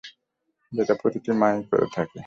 সেটা প্রতিটি মা-ই করে থাকে।